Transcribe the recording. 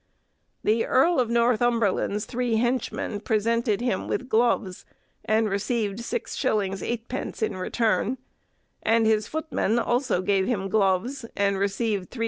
The Earl of Northumberland's three henchmen presented him with gloves, and received 6_s._ 8_d._ in return; and his footmen also gave him gloves, and received 3_s.